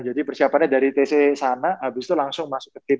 jadi persiapannya dari tc sana habis itu langsung masuk ke tim